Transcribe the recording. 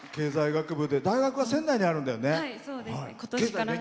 経済学部で大学は仙台にあるんだよね。